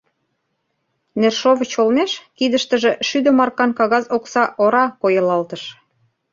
Нершовыч олмеш кидыштыже шӱдӧ маркан кагаз окса ора койылалтыш.